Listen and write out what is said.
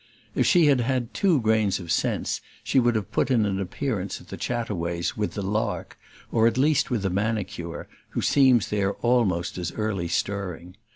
If she had had two grains of sense she would have put in an appearance at the Chataways' with the lark, or at least with the manicure, who seems there almost as early stirring.